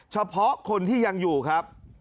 เฉพาะคนที่ยังอยู่ครับ